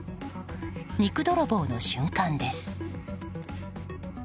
肉泥棒の瞬間です。